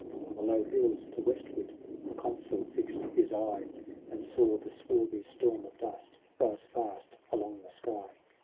On the low hills to westward The Consul fixed his eye, And saw the swarthy storm of dust Rise fast along the sky.